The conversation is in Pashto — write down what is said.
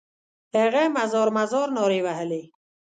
هغه مزار مزار نارې وهلې.